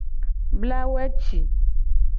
Bla weci.